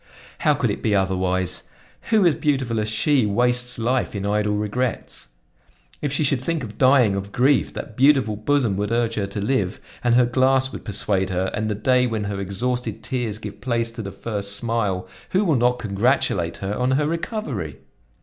How could it be otherwise? Who as beautiful as she wastes life in idle regrets? If she should think of dying of grief that beautiful bosom would urge her to live, and her glass would persuade her; and the day when her exhausted tears give place to the first smile, who will not congratulate her on her recovery?